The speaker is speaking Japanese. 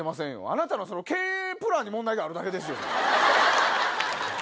あなたの経営プランに問題があるだけですよ。